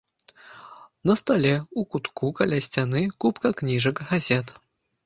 На стале ў кутку каля сцяны купка кніжак, газет.